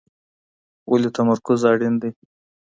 ولي تمرکز اړین دی؟